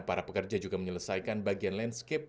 para pekerja juga menyelesaikan bagian landscape